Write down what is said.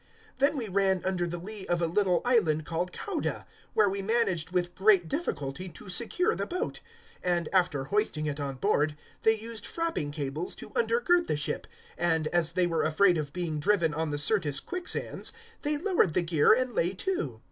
027:016 Then we ran under the lee of a little island called Cauda, where we managed with great difficulty to secure the boat; 027:017 and, after hoisting it on board, they used frapping cables to undergird the ship, and, as they were afraid of being driven on the Syrtis quicksands, they lowered the gear and lay to.